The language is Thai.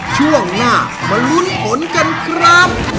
ช่วงหน้ามาลุ้นผลกันครับ